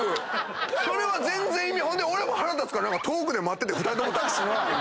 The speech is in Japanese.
それは全然ほんで俺も腹立つから遠くで待ってて。